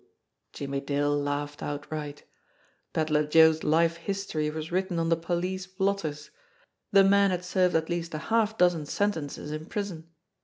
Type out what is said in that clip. Jimmie Dale laughed outright. Pedler Joe's life history was written on the police blotters! The man had served at least a half dozen sentences in prison.